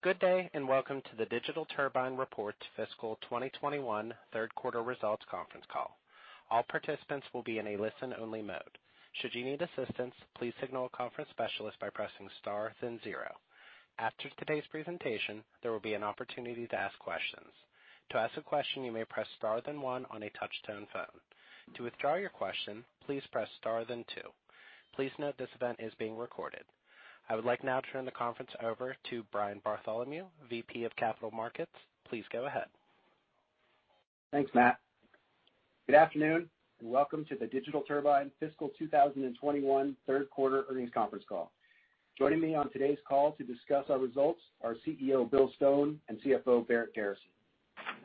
Good day, and welcome to the Digital Turbine Report Fiscal 2021 Q3 results conference call. All participants will be in a listen-only mode. Should you need assistance, please signal a conference specialist by pressing star then zero. After the participant presentation, there will be an opportunity to ask questions. To ask a question, you may press star then one on a touch-tone phone. To withdraw your question, please press star then two. Please note that this event is being recorded. I would like now to turn the conference over to Brian Bartholomew, VP of Capital Markets. Please go ahead. Thanks, Matt. Good afternoon and welcome to the Digital Turbine Fiscal 2021 Q3 earnings conference call. Joining me on today's call to discuss our results are CEO, Bill Stone, and CFO, Barrett Garrison.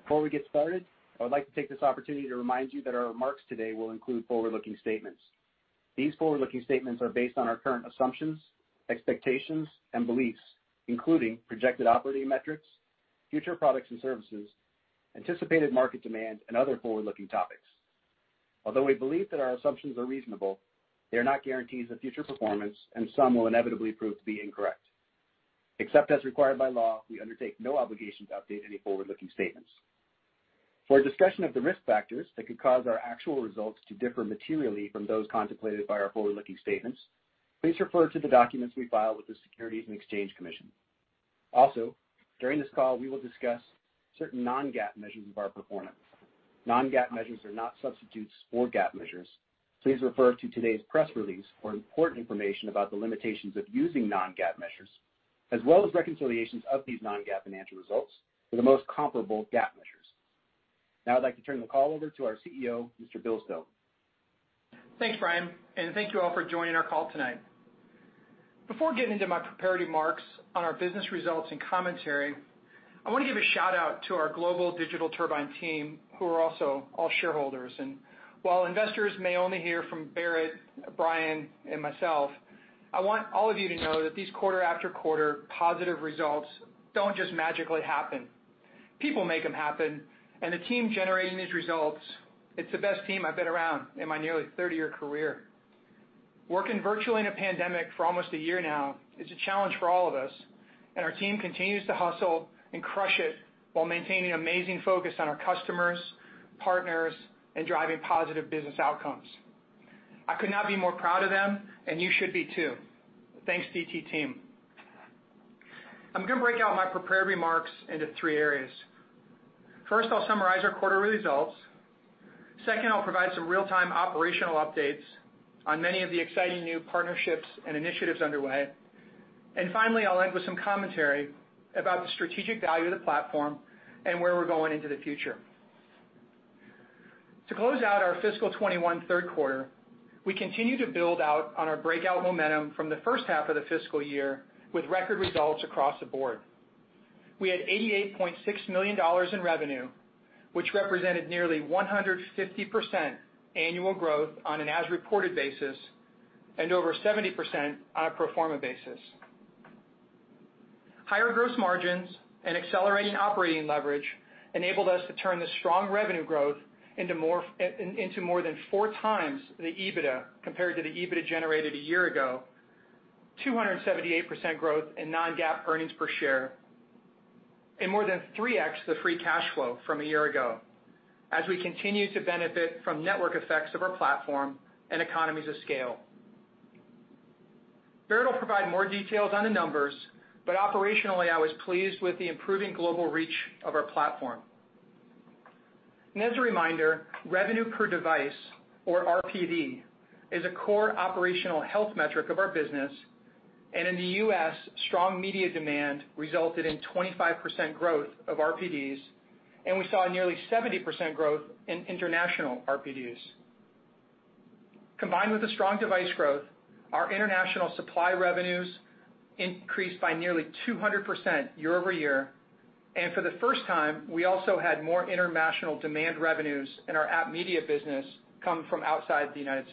Before we get started, I would like to take this opportunity to remind you that our remarks today will include forward-looking statements. These forward-looking statements are based on our current assumptions, expectations, and beliefs, including projected operating metrics, future products and services, anticipated market demand, and other forward-looking topics. Although we believe that our assumptions are reasonable, they are not guarantees of future performance and some will inevitably prove to be incorrect. Except as required by law, we undertake no obligation to update any forward-looking statements. For a discussion of the risk factors that could cause our actual results to differ materially from those contemplated by our forward-looking statements, please refer to the documents we file with the Securities and Exchange Commission. Also, during this call, we will discuss certain non-GAAP measures of our performance. Non-GAAP measures are not substitutes for GAAP measures. Please refer to today's press release for important information about the limitations of using non-GAAP measures, as well as reconciliations of these non-GAAP financial results for the most comparable GAAP measures. Now I'd like to turn the call over to our CEO, Mr. Bill Stone. Thanks, Brian, and thank you all for joining our call tonight. Before getting into my prepared remarks on our business results and commentary, I want to give a shout-out to our global Digital Turbine team, who are also all shareholders. While investors may only hear from Barrett, Brian, and myself, I want all of you to know that these quarter after quarter positive results don't just magically happen. People make them happen, and the team generating these results, it's the best team I've been around in my nearly 30-year career. Working virtually in a pandemic for almost a year now is a challenge for all of us, and our team continues to hustle and crush it while maintaining amazing focus on our customers, partners, and driving positive business outcomes. I could not be more proud of them, and you should be, too. Thanks, DT team. I'm going to break out my prepared remarks into three areas. First, I'll summarize our quarterly results. Second, I'll provide some real-time operational updates on many of the exciting new partnerships and initiatives underway. Finally, I'll end with some commentary about the strategic value of the platform and where we're going into the future. To close out our fiscal 2021 Q3, we continue to build out on our breakout momentum from the H1 of the fiscal year with record results across the board. We had $88.6 million in revenue, which represented nearly 150% annual growth on an as-reported basis and over 70% on a pro forma basis. Higher gross margins and accelerating operating leverage enabled us to turn this strong revenue growth into more than four times the EBITDA compared to the EBITDA generated a year ago, 278% growth in non-GAAP earnings per share, and more than 3x the free cash flow from a year ago, as we continue to benefit from network effects of our platform and economies of scale. Barrett will provide more details on the numbers, operationally, I was pleased with the improving global reach of our platform. As a reminder, revenue per device, or RPD, is a core operational health metric of our business, in the U.S., strong media demand resulted in 25% growth of RPDs, and we saw nearly 70% growth in international RPDs. Combined with the strong device growth, our international supply revenues increased by nearly 200% year-over-year. For the first time, we also had more international demand revenues in our app media business come from outside the U.S.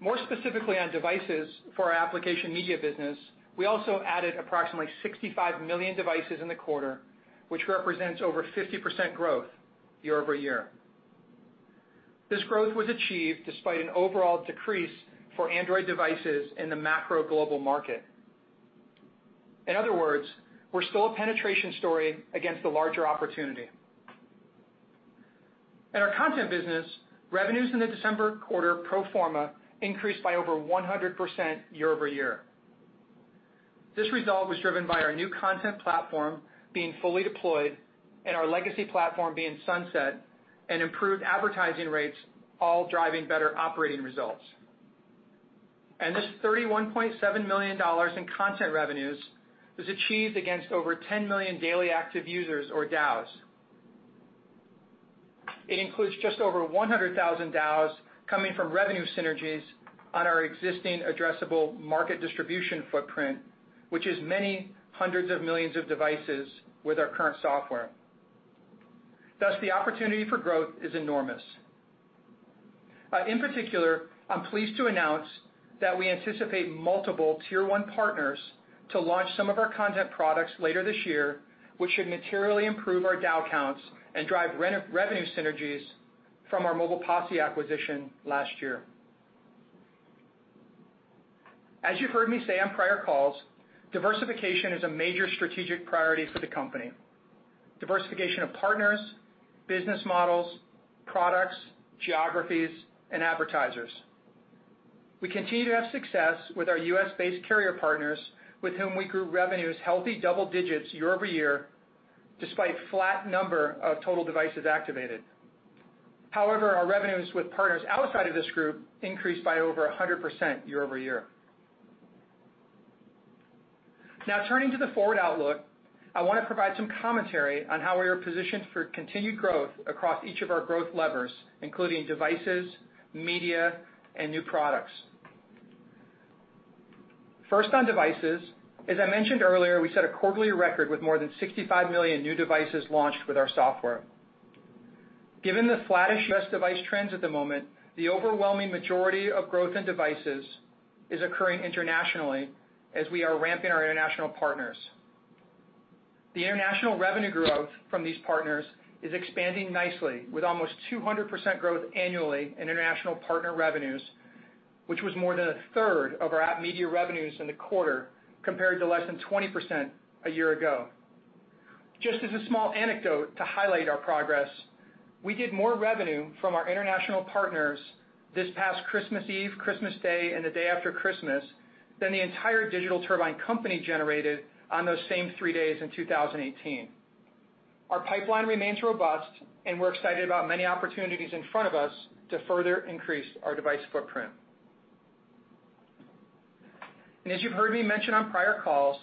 More specifically on devices for our application media business, we also added approximately 65 million devices in the quarter, which represents over 50% growth year-over-year. This growth was achieved despite an overall decrease for Android devices in the macro global market. In other words, we're still a penetration story against a larger opportunity. In our content business, revenues in the December quarter pro forma increased by over 100% year-over-year. This result was driven by our new content platform being fully deployed and our legacy platform being sunset and improved advertising rates all driving better operating results. This $31.7 million in content revenues was achieved against over 10 million daily active users or DAUs. It includes just over 100,000 DAUs coming from revenue synergies on our existing addressable market distribution footprint, which is many hundreds of millions of devices with our current software. Thus, the opportunity for growth is enormous. In particular, I'm pleased to announce that we anticipate multiple tier one partners to launch some of our content products later this year, which should materially improve our DAU counts and drive revenue synergies from our Mobile Posse acquisition last year. As you've heard me say on prior calls, diversification is a major strategic priority for the company. Diversification of partners, business models, products, geographies, and advertisers. We continue to have success with our U.S.-based carrier partners, with whom we grew revenues healthy double digits year-over-year, despite flat number of total devices activated. However, our revenues with partners outside of this group increased by over 100% year-over-year. Now turning to the forward outlook, I want to provide some commentary on how we are positioned for continued growth across each of our growth levers, including devices, media, and new products. First on devices, as I mentioned earlier, we set a quarterly record with more than 65 million new devices launched with our software. Given the flattish U.S. device trends at the moment, the overwhelming majority of growth in devices is occurring internationally, as we are ramping our international partners. The international revenue growth from these partners is expanding nicely with almost 200% growth annually in international partner revenues, which was more than a third of our app media revenues in the quarter, compared to less than 20% a year ago. Just as a small anecdote to highlight our progress, we did more revenue from our international partners this past Christmas Eve, Christmas Day, and the day after Christmas, than the entire Digital Turbine company generated on those same three days in 2018. Our pipeline remains robust. We're excited about many opportunities in front of us to further increase our device footprint. As you've heard me mention on prior calls,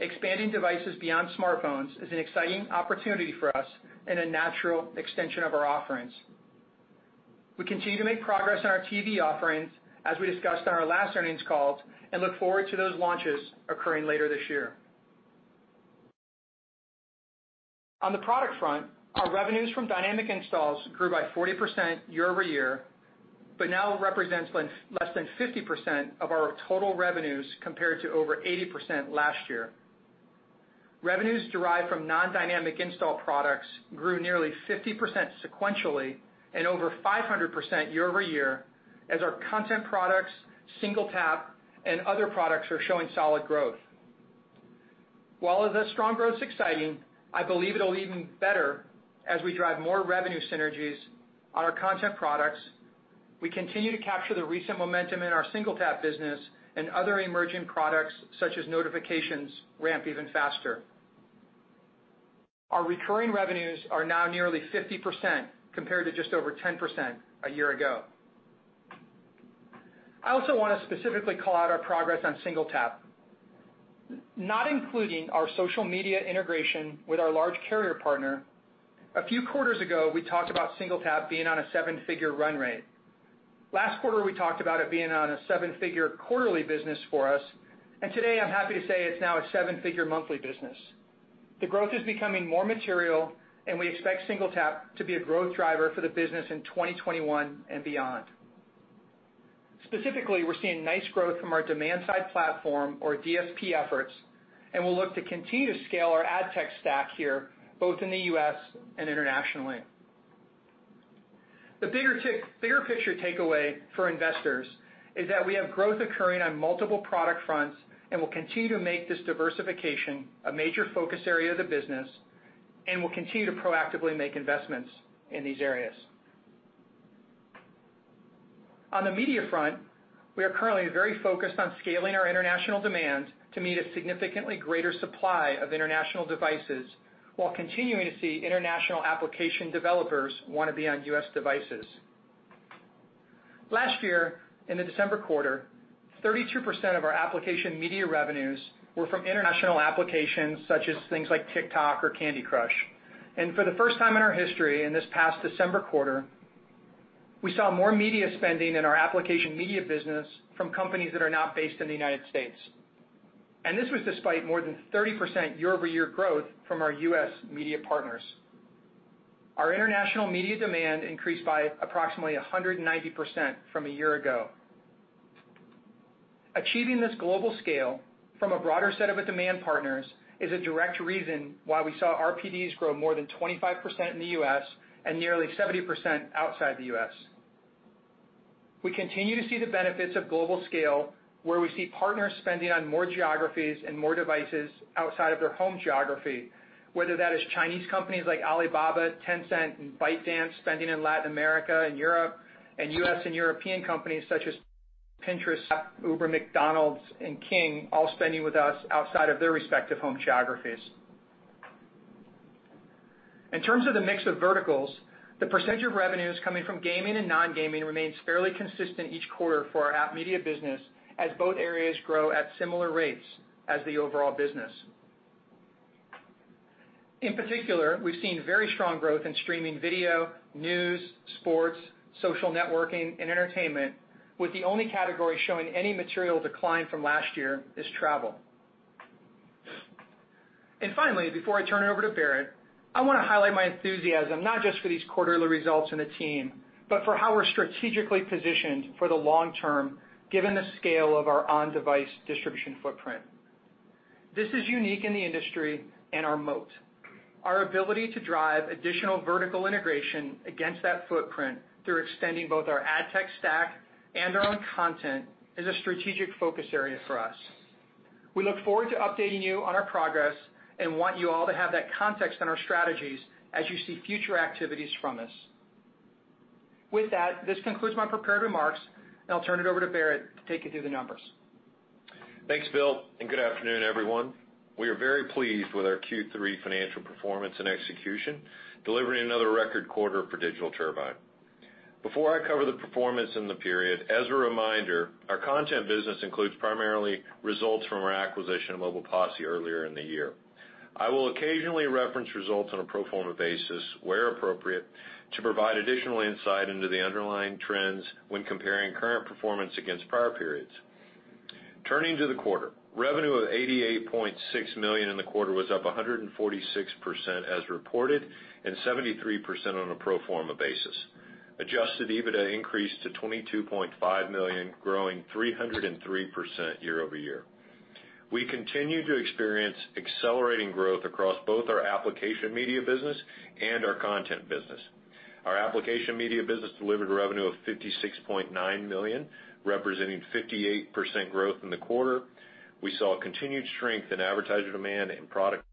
expanding devices beyond smartphones is an exciting opportunity for us and a natural extension of our offerings. We continue to make progress on our TV offerings, as we discussed on our last earnings calls, and look forward to those launches occurring later this year. On the product front, our revenues from dynamic installs grew by 40% year-over-year, but now represents less than 50% of our total revenues, compared to over 80% last year. Revenues derived from non-dynamic install products grew nearly 50% sequentially and over 500% year-over-year as our content products, SingleTap, and other products are showing solid growth. While this strong growth is exciting, I believe it'll even better as we drive more revenue synergies on our content products. We continue to capture the recent momentum in our SingleTap business and other emerging products, such as notifications ramp even faster. Our recurring revenues are now nearly 50% compared to just over 10% a year ago. I also want to specifically call out our progress on SingleTap. Not including our social media integration with our large carrier partner, a few quarters ago, we talked about SingleTap being on a seven-figure run rate. Last quarter, we talked about it being on a seven-figure quarterly business for us, and today I'm happy to say it's now a seven-figure monthly business. The growth is becoming more material, and we expect SingleTap to be a growth driver for the business in 2021 and beyond. Specifically, we're seeing nice growth from our demand side platform or DSP efforts, and we'll look to continue to scale our ad tech stack here, both in the U.S. and internationally. The bigger picture takeaway for investors is that we have growth occurring on multiple product fronts, and we'll continue to make this diversification a major focus area of the business and we'll continue to proactively make investments in these areas. On the media front, we are currently very focused on scaling our international demand to meet a significantly greater supply of international devices while continuing to see international application developers want to be on U.S. devices. Last year, in the December quarter, 32% of our application media revenues were from international applications such as things like TikTok or Candy Crush. For the first time in our history, in this past December quarter, we saw more media spending in our application media business from companies that are not based in the U.S. This was despite more than 30% year-over-year growth from our U.S. media partners. Our international media demand increased by approximately 190% from a year ago. Achieving this global scale from a broader set of demand partners is a direct reason why we saw our RPDs grow more than 25% in the U.S. and nearly 70% outside the U.S. We continue to see the benefits of global scale, where we see partners spending on more geographies and more devices outside of their home geography, whether that is Chinese companies like Alibaba, Tencent, and ByteDance spending in Latin America and Europe and U.S. and European companies such as Pinterest, Uber, McDonald's, and King all spending with us outside of their respective home geographies. In terms of the mix of verticals, the percentage of revenues coming from gaming and non-gaming remains fairly consistent each quarter for our app media business, as both areas grow at similar rates as the overall business. In particular, we've seen very strong growth in streaming video, news, sports, social networking, and entertainment with the only category showing any material decline from last year is travel. Finally, before I turn it over to Barrett, I want to highlight my enthusiasm, not just for these quarterly results and the team, but for how we're strategically positioned for the long term given the scale of our on-device distribution footprint. This is unique in the industry and our moat. Our ability to drive additional vertical integration against that footprint through extending both our ad tech stack and our own content is a strategic focus area for us. We look forward to updating you on our progress and want you all to have that context on our strategies as you see future activities from us. With that, this concludes my prepared remarks, and I'll turn it over to Barrett to take you through the numbers. Thanks, Bill. Good afternoon, everyone. We are very pleased with our Q3 financial performance and execution, delivering another record quarter for Digital Turbine. Before I cover the performance in the period, as a reminder, our content business includes primarily results from our acquisition of Mobile Posse earlier in the year. I will occasionally reference results on a pro forma basis where appropriate to provide additional insight into the underlying trends when comparing current performance against prior periods. Turning to the quarter, revenue of $88.6 million in the quarter was up 146% as reported and 73% on a pro forma basis. Adjusted EBITDA increased to $22.5 million, growing 303% year-over-year. We continue to experience accelerating growth across both our application media business and our content business. Our application media business delivered revenue of $56.9 million, representing 58% growth in the quarter. We saw continued strength in advertiser demand and product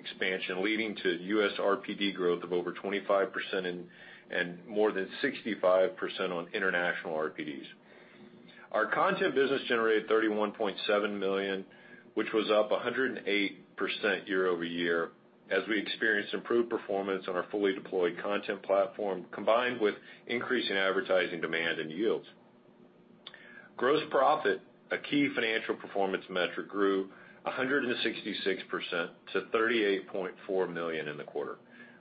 expansion, leading to U.S. RPD growth of over 25% and more than 65% on international RPDs. Our content business generated $31.7 million, which was up 108% year-over-year as we experienced improved performance on our fully deployed content platform, combined with increasing advertising demand and yields. Gross profit, a key financial performance metric, grew 166% to $38.4 million in the quarter,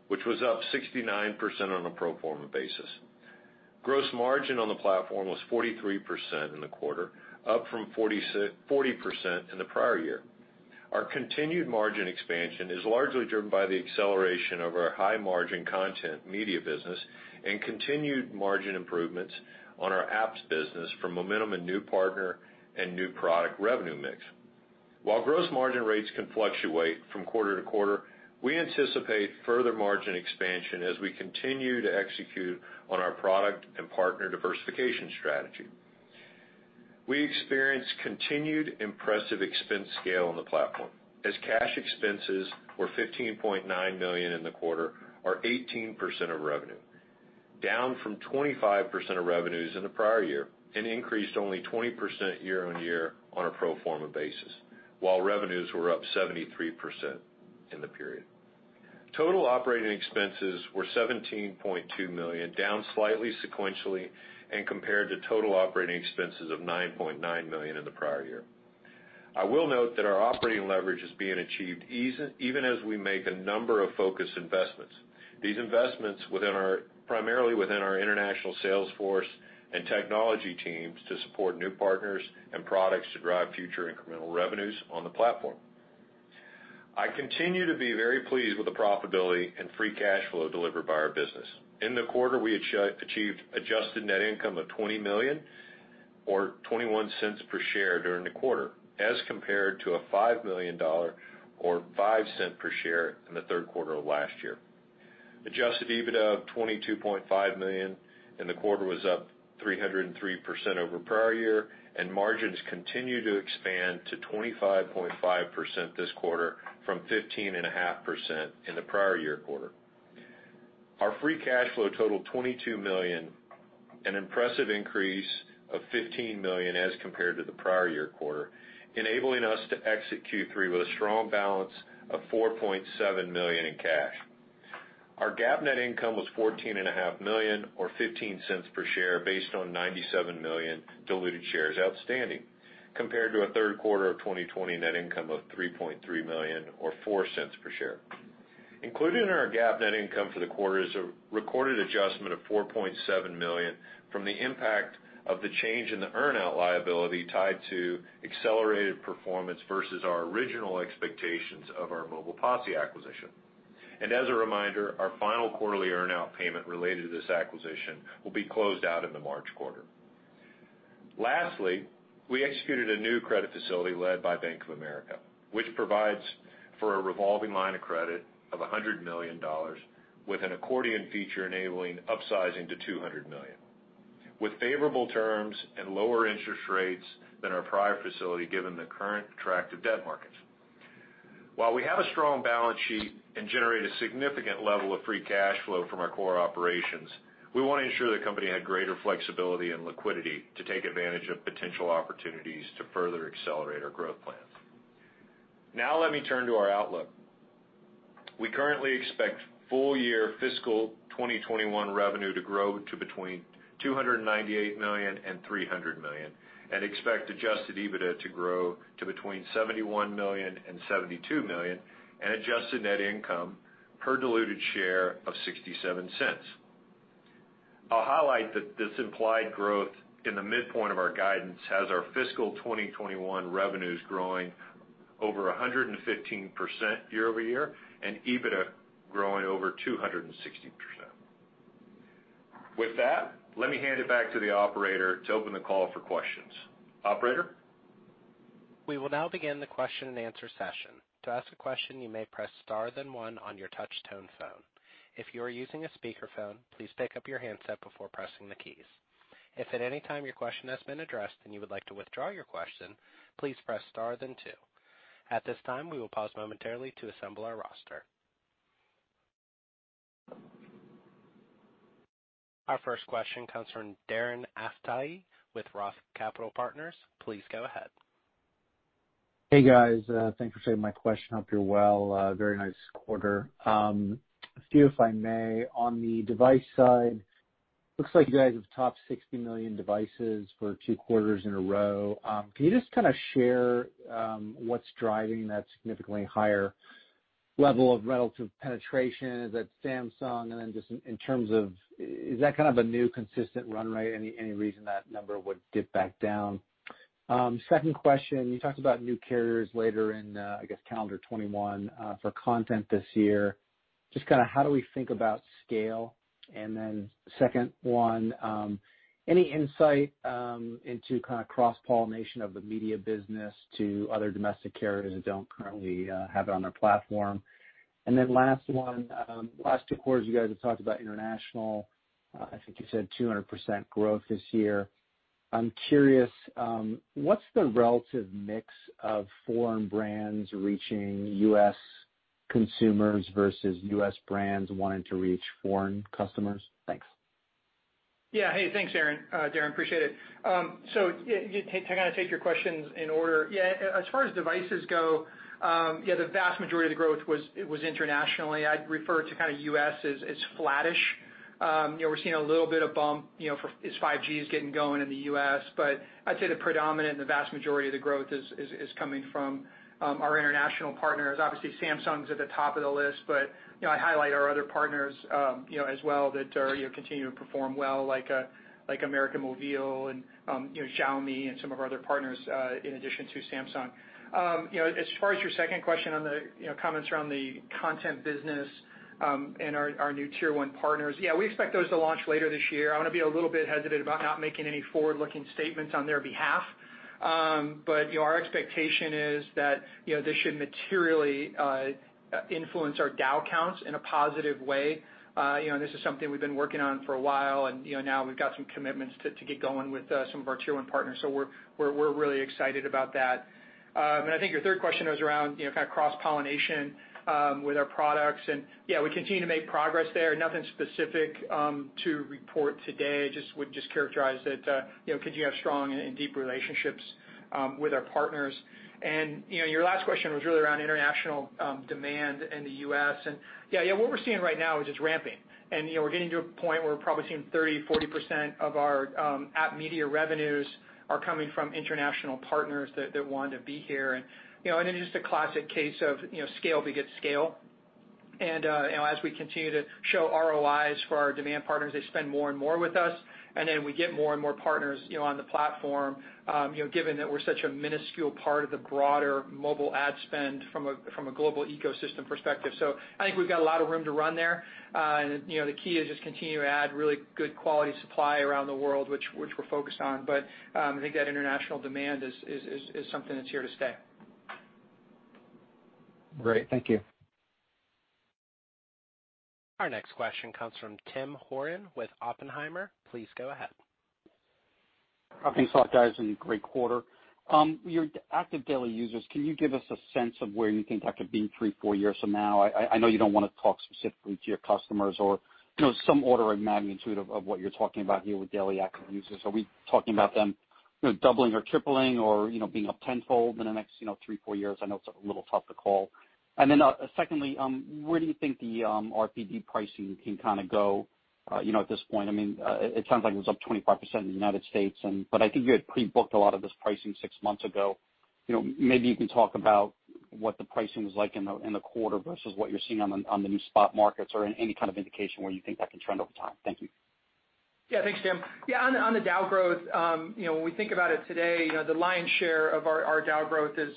which was up 69% on a pro forma basis. Gross margin on the platform was 43% in the quarter, up from 40% in the prior year. Our continued margin expansion is largely driven by the acceleration of our high-margin content media business and continued margin improvements on our apps business from momentum and new partner and new product revenue mix. While gross margin rates can fluctuate from quarter to quarter, we anticipate further margin expansion as we continue to execute on our product and partner diversification strategy. We experienced continued impressive expense scale on the platform as cash expenses were $15.9 million in the quarter are 18% of revenue, down from 25% of revenues in the prior year and increased only 20% year-over-year on a pro forma basis while revenues were up 73% in the period. Total operating expenses were $17.2 million, down slightly sequentially and compared to total operating expenses of $9.9 million in the prior year. I will note that our operating leverage is being achieved even as we make a number of focus investments, these investments primarily within our international sales force and technology teams to support new partners and products to drive future incremental revenues on the platform. I continue to be very pleased with the profitability and free cash flow delivered by our business. In the quarter, we achieved adjusted net income of $20 million or $0.21 per share during the quarter, as compared to a $5 million or $0.05 per share in the Q3 of last year. Adjusted EBITDA of $22.5 million in the quarter was up 303% over prior year, and margins continue to expand to 25.5% this quarter from 15.5% in the prior year quarter. Our free cash flow totaled $22 million, an impressive increase of $15 million as compared to the prior year quarter, enabling us to exit Q3 with a strong balance of $4.7 million in cash. Our GAAP net income was $14.5 million or $0.15 per share based on 97 million diluted shares outstanding, compared to a Q3 of 2020 net income of $3.3 million or $0.04 per share. Included in our GAAP net income for the quarter is a recorded adjustment of $4.7 million from the impact of the change in the earn-out liability tied to accelerated performance versus our original expectations of our Mobile Posse acquisition. As a reminder, our final quarterly earn-out payment related to this acquisition will be closed out in the March quarter. Lastly, we executed a new credit facility led by Bank of America, which provides for a revolving line of credit of $100 million with an accordion feature enabling upsizing to $200 million with favorable terms and lower interest rates than our prior facility, given the current attractive debt markets. While we have a strong balance sheet and generate a significant level of free cash flow from our core operations, we want to ensure the company had greater flexibility and liquidity to take advantage of potential opportunities to further accelerate our growth plans. Let me turn to our outlook. We currently expect full year fiscal 2021 revenue to grow to between $298 million-$300 million and expect adjusted EBITDA to grow to between $71 million-$72 million and adjusted net income per diluted share of $0.67. I'll highlight that this implied growth in the midpoint of our guidance has our fiscal 2021 revenues growing over 115% year-over-year, and EBITDA growing over 260%. With that, let me hand it back to the operator to open the call for questions. Operator? We will now begin the question and answer session. To ask a question, you may press star then one on your touch-tone phone. If you are using a speaker phone, please pick-up your hand set before pressing the keys. If at any time your question has been addressed, then you would like to withdraw your question, please press star then two. At this time we will pause momentarily to assemble our roster. Our first question comes from Darren Aftahi with Roth Capital Partners. Please go ahead. Hey guys, thanks for taking my question. Hope you're well. Very nice quarter. A few if I may. On the device side, looks like you guys have topped 60 million devices for two quarters in a row. Can you just share what's driving that significantly higher level of relative penetration? Is that Samsung? Then just in terms of, is that kind of a new consistent run rate? Any reason that number would dip back down? Second question, you talked about new carriers later in, I guess, calendar 2021, for content this year. Just how do we think about scale? Then second one, any insight into kind of cross-pollination of the media business to other domestic carriers that don't currently have it on their platform? Then last one, last two quarters you guys have talked about international. I think you said 200% growth this year. I'm curious, what's the relative mix of foreign brands reaching U.S. consumers versus U.S. brands wanting to reach foreign customers? Thanks. Yeah. Hey, thanks Darren. Appreciate it. I'm going to take your questions in order. Yeah. As far as devices go, the vast majority of the growth was internationally. I'd refer to U.S. as flattish. We're seeing a little bit of bump as 5G is getting going in the U.S., I'd say the predominant and the vast majority of the growth is coming from our international partners. Obviously, Samsung's at the top of the list, I highlight our other partners as well that continue to perform well, like América Móvil and Xiaomi and some of our other partners, in addition to Samsung. As far as your second question on the comments around the content business, our new tier one partners. Yeah, we expect those to launch later this year. I want to be a little bit hesitant about not making any forward-looking statements on their behalf. Our expectation is that this should materially influence our DAU counts in a positive way. This is something we've been working on for a while, and now we've got some commitments to get going with some of our tier one partners. We're really excited about that. I think your third question was around cross-pollination with our products and yeah, we continue to make progress there. Nothing specific to report today. I would just characterize it, continue to have strong and deep relationships with our partners. Your last question was really around international demand in the U.S. and yeah, what we're seeing right now is just ramping. We're getting to a point where we're probably seeing 30%, 40% of our app media revenues are coming from international partners that want to be here. It's just a classic case of scale begets scale. As we continue to show ROIs for our demand partners, they spend more and more with us, and then we get more and more partners on the platform, given that we're such a minuscule part of the broader mobile ad spend from a global ecosystem perspective. I think we've got a lot of room to run there. The key is just continue to add really good quality supply around the world, which we're focused on. I think that international demand is something that's here to stay. Great. Thank you. Our next question comes from Tim Horan with Oppenheimer. Please go ahead. Thanks a lot guys. Great quarter. Your Daily Active Users, can you give us a sense of where you think that could be three, four years from now? I know you don't want to talk specifically to your customers or some order of magnitude of what you're talking about here with Daily Active Users. Are we talking about them doubling or tripling or being up tenfold in the next three, four years? I know it's a little tough to call. Secondly, where do you think the RPD pricing can go at this point? It sounds like it was up 25% in the U.S., but I think you had pre-booked a lot of this pricing six months ago. Maybe you can talk about what the pricing was like in the quarter versus what you're seeing on the new spot markets or any kind of indication where you think that can trend over time. Thank you. Yeah, thanks Tim. On the DAU growth, when we think about it today, the lion's share of our DAU growth is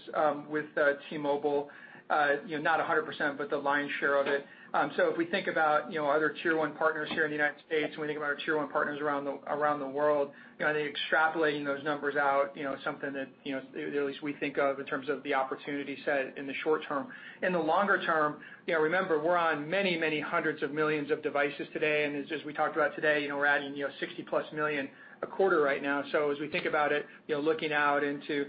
with T-Mobile, not 100%, but the lion's share of it. If we think about other tier one partners here in the United States, when we think about our tier one partners around the world, I think extrapolating those numbers out, something that at least we think of in terms of the opportunity set in the short term. In the longer term, remember, we're on many hundreds of millions of devices today, and as we talked about today we're adding 60-plus million a quarter right now. As we think about it, looking out into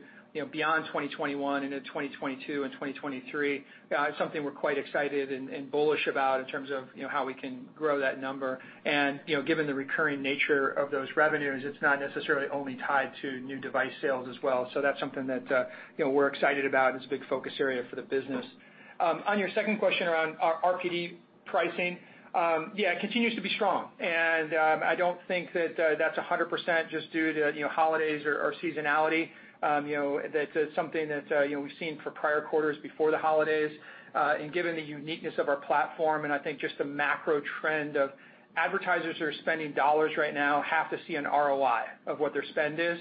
beyond 2021 into 2022 and 2023, it's something we're quite excited and bullish about in terms of how we can grow that number. Given the recurring nature of those revenues, it's not necessarily only tied to new device sales as well. That's something that we're excited about and is a big focus area for the business. On your second question around RPD pricing, yeah, it continues to be strong and I don't think that's 100% just due to holidays or seasonality. That's something that we've seen for prior quarters before the holidays. Given the uniqueness of our platform and I think just the macro trend of advertisers who are spending dollars right now have to see an ROI of what their spend is.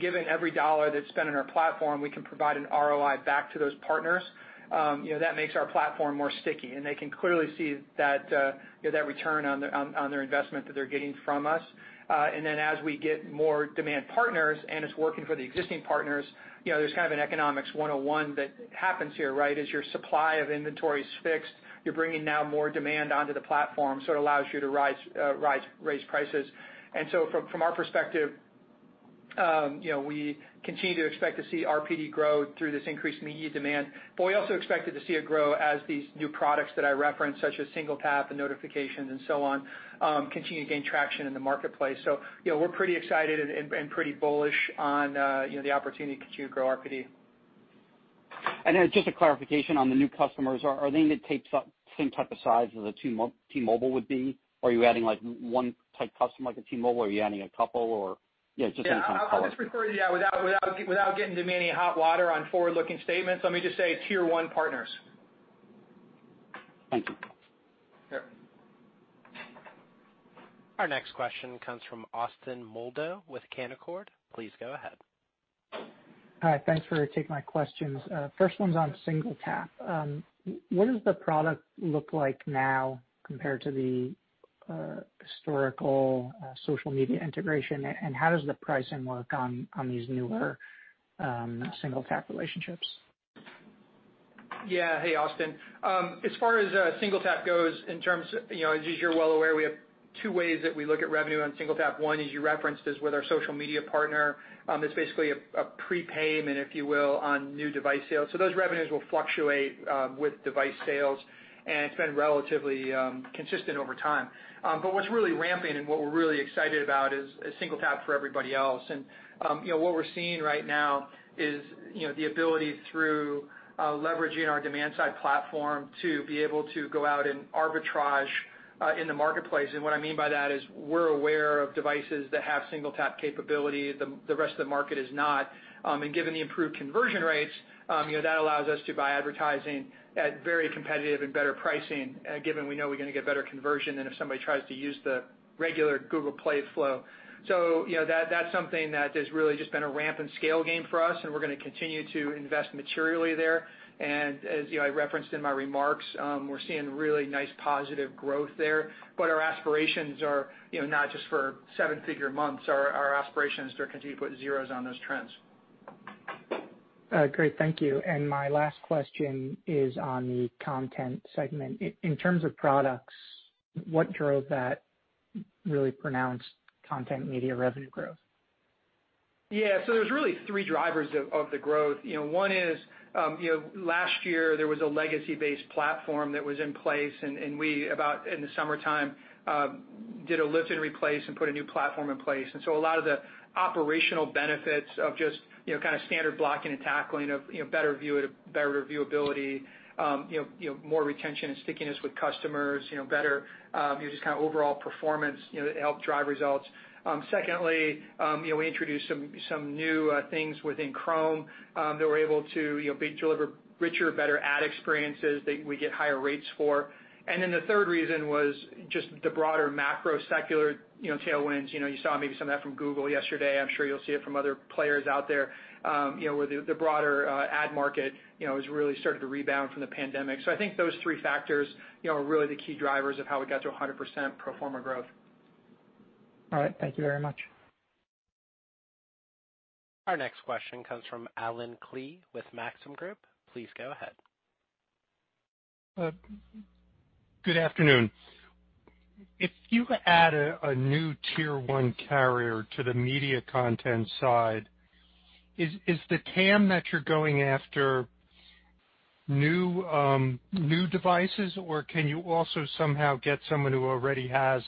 Given every dollar that's spent on our platform, we can provide an ROI back to those partners. That makes our platform more sticky and they can clearly see that return on their investment that they're getting from us. As we get more demand partners and it's working for the existing partners, there's kind of an economics 101 that happens here, right? As your supply of inventory is fixed, you're bringing now more demand onto the platform, so it allows you to raise prices. From our perspective, we continue to expect to see RPD grow through this increased media demand. We also expected to see it grow as these new products that I referenced, such as SingleTap and notifications and so on, continue to gain traction in the marketplace. We're pretty excited and pretty bullish on the opportunity to continue to grow RPD. Just a clarification on the new customers. Are they the same type of size as a T-Mobile would be? Are you adding one type customer like a T-Mobile, or are you adding a couple? Yeah, just in kind of color. Yeah. I'll just refer you, without getting into any hot water on forward-looking statements, let me just say tier one partners. Thank you. Sure. Our next question comes from Austin Moldow with Canaccord. Please go ahead. Hi. Thanks for taking my questions. First one's on SingleTap. What does the product look like now compared to the historical social media integration, and how does the pricing work on these newer SingleTap relationships? Yeah. Hey, Austin. As far as SingleTap goes, as you're well aware, we have two ways that we look at revenue on SingleTap. One, as you referenced, is with our social media partner. It's basically a prepayment, if you will, on new device sales. Those revenues will fluctuate with device sales, and it's been relatively consistent over time. What's really ramping and what we're really excited about is SingleTap for everybody else. What we're seeing right now is the ability through leveraging our demand-side platform to be able to go out and arbitrage in the marketplace. What I mean by that is we're aware of devices that have SingleTap capability, the rest of the market is not. Given the improved conversion rates, that allows us to buy advertising at very competitive and better pricing, given we know we're going to get better conversion than if somebody tries to use the regular Google Play flow. That's something that has really just been a ramp and scale game for us, and we're going to continue to invest materially there. As you know, I referenced in my remarks, we're seeing really nice positive growth there. Our aspirations are not just for seven-figure months. Our aspiration is to continue to put zeros on those trends. Great. Thank you. My last question is on the content segment. In terms of products, what drove that really pronounced content media revenue growth? Yeah. There's really three drivers of the growth. One is last year there was a legacy-based platform that was in place, and we about in the summertime, did a lift and replace and put a new platform in place. A lot of the operational benefits of just standard blocking and tackling of better viewability, more retention and stickiness with customers, better just overall performance, helped drive results. Secondly, we introduced some new things within Chrome that were able to deliver richer, better ad experiences that we get higher rates for. The third reason was just the broader macro secular tailwinds. You saw maybe some of that from Google yesterday. I'm sure you'll see it from other players out there where the broader ad market has really started to rebound from the pandemic. I think those three factors are really the key drivers of how we got to 100% pro forma growth. All right. Thank you very much. Our next question comes from Allen Klee with Maxim Group. Please go ahead. Good afternoon. If you add a new Tier one carrier to the media content side, is the TAM that you're going after new devices, or can you also somehow get someone who already has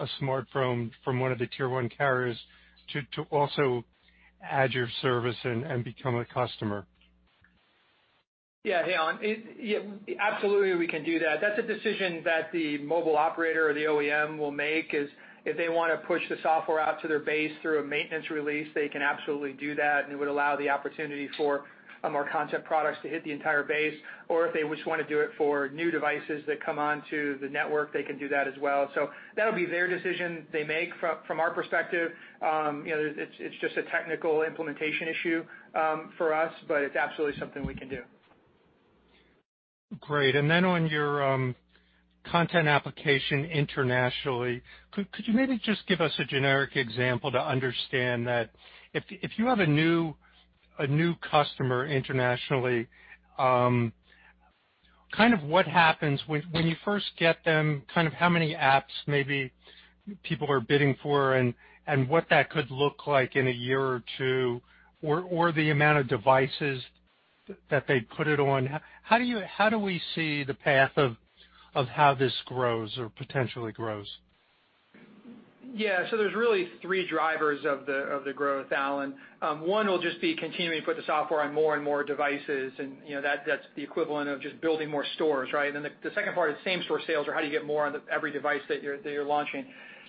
a smartphone from one of the Tier one carriers to also add your service and become a customer? Yeah. Hey, Allen. Absolutely we can do that. That's a decision that the mobile operator or the OEM will make is if they want to push the software out to their base through a maintenance release, they can absolutely do that, and it would allow the opportunity for our more content products to hit the entire base. If they just want to do it for new devices that come onto the network, they can do that as well. That'll be their decision they make. From our perspective, it's just a technical implementation issue for us, but it's absolutely something we can do. Great. Then on your content application internationally, could you maybe just give us a generic example to understand that if you have a new customer internationally, what happens when you first get them, how many apps maybe people are bidding for, and what that could look like in a year or two, or the amount of devices that they put it on? How do we see the path of how this grows or potentially grows? Yeah. There's really three drivers of the growth, Allen. One will just be continuing to put the software on more and more devices, and that's the equivalent of just building more stores, right? Then the second part is same store sales, or how do you get more on every device that you're launching.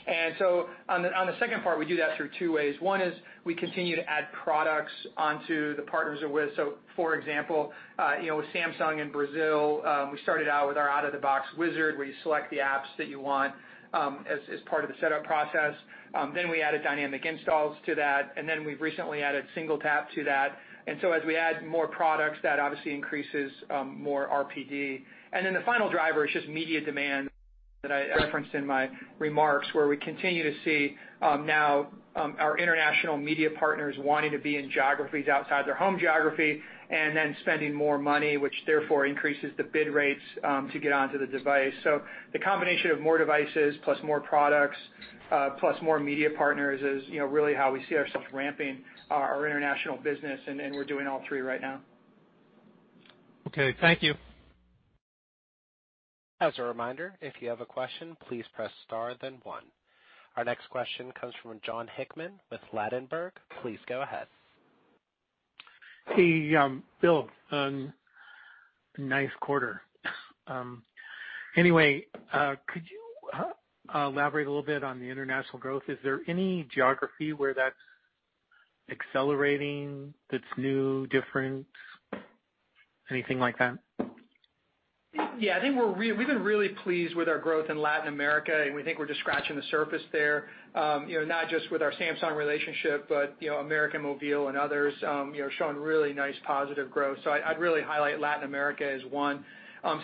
On the second part, we do that through two ways. One is we continue to add products onto the partners we're with. For example, with Samsung in Brazil, we started out with our out-of-the-box wizard where you select the apps that you want as part of the setup process. We added dynamic installs to that, we've recently added SingleTap to that. As we add more products, that obviously increases more RPD. The final driver is just media demand that I referenced in my remarks, where we continue to see now our international media partners wanting to be in geographies outside their home geography and then spending more money, which therefore increases the bid rates to get onto the device. The combination of more devices plus more products plus more media partners is really how we see ourselves ramping our international business, and we're doing all three right now. Okay, thank you. As a reminder, if you have a question, please press star then one. Our next question comes from Jon Hickman with Ladenburg. Please go ahead. Hey, Bill. Nice quarter. Could you elaborate a little bit on the international growth? Is there any geography where that's accelerating, that's new, different? Anything like that? Yeah. We've been really pleased with our growth in Latin America, and we think we're just scratching the surface there. Not just with our Samsung relationship, but América Móvil and others showing really nice positive growth. I'd really highlight Latin America as one.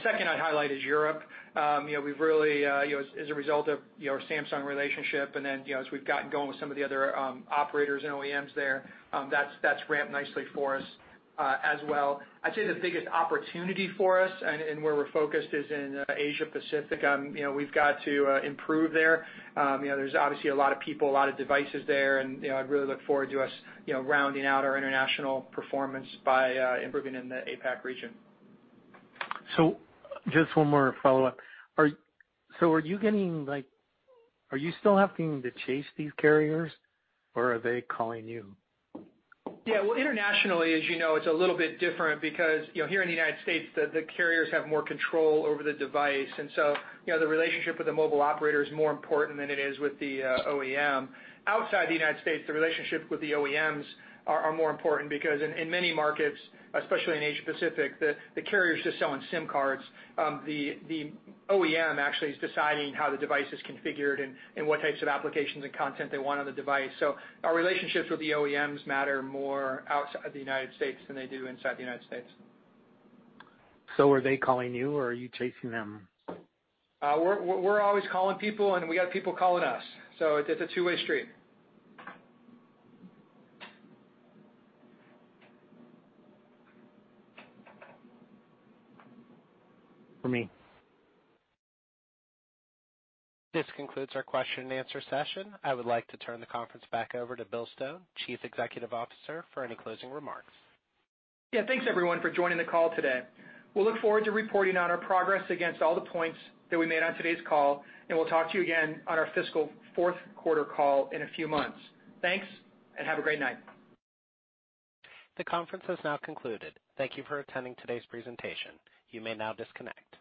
Second, I'd highlight is Europe. As a result of our Samsung relationship, and then as we've gotten going with some of the other operators and OEMs there, that's ramped nicely for us, as well. I'd say the biggest opportunity for us and where we're focused is in Asia Pacific. We've got to improve there. There's obviously a lot of people, a lot of devices there, and I'd really look forward to us rounding out our international performance by improving in the APAC region. Just one more follow-up. Are you still having to chase these carriers or are they calling you? Yeah. Well, internationally, as you know, it's a little bit different because here in the United States, the carriers have more control over the device. The relationship with the mobile operator is more important than it is with the OEM. Outside the United States, the relationship with the OEMs are more important because in many markets, especially in Asia Pacific, the carriers just sell SIM cards. The OEM actually is deciding how the device is configured and what types of applications and content they want on the device. Our relationships with the OEMs matter more outside the United States than they do inside the United States. Are they calling you or are you chasing them? We're always calling people, and we got people calling us. It's a two-way street. For me. This concludes our question and answer session. I would like to turn the conference back over to Bill Stone, Chief Executive Officer, for any closing remarks. Yeah. Thanks everyone for joining the call today. We'll look forward to reporting on our progress against all the points that we made on today's call, and we'll talk to you again on our fiscal Q4 call in a few months. Thanks, and have a great night. The conference has now concluded. Thank you for attending today's presentation. You may now disconnect.